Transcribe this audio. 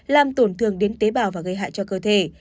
làm tổn thương đến tế bào và gây hại cho cơ thể